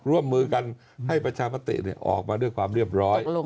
ร่วมมือกันให้ประชามติออกมาด้วยความเรียบร้อย